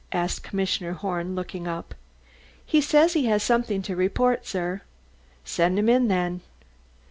asked Commissioner Horn, looking up. "He says he has something to report, sir." "Send him in, then."